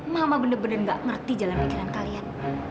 mama bener bener gak ngerti jalan pikiran kalian